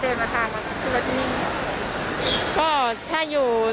สัตว์ใจทียังไงบ้างคะเดินมาก่อนกับทุกคนนี่